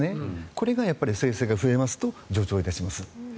これの生成が増えますと助長いたします。